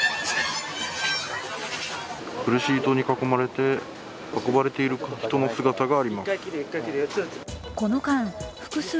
ブルーシートに囲まれて運ばれている人の姿があります。